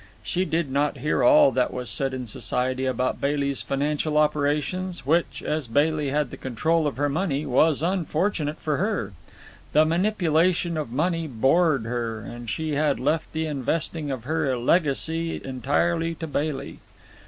She did not hear all that was said in society about Bailey's financial operations—which, as Bailey had the control of her money, was unfortunate for her. The manipulation of money bored her, and she had left the investing of her legacy entirely to Bailey.